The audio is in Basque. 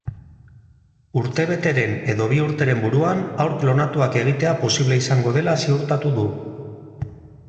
Urtebeteren edo bi urteren buruan haur klonatuak egitea posible izango dela ziurtatu du.